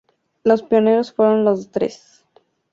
Los pioneros fueron los Dres.